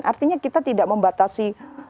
artinya kita tidak membatasi